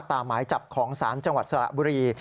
หมายจับของศาลจังหวัดสระบุรี